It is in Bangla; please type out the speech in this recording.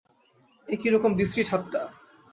এ কিরকম বিশ্রী ঠাট্টা ।